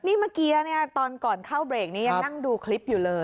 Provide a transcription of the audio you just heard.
นี่เมื่อกี้เนี่ยตอนก่อนเข้าเบรกนี้ยังนั่งดูคลิปอยู่เลย